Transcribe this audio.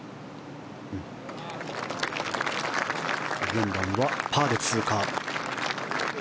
４番はパーで通過。